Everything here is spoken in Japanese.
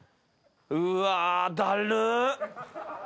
うわだるっ。